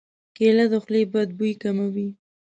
کېله د خولې بد بوی کموي.